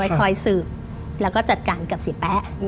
คอยสืบแล้วก็จัดการกับเสียแป๊ะ